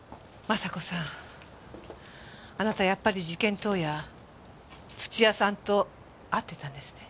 真佐子さんあなたやっぱり事件当夜土屋さんと会ってたんですね。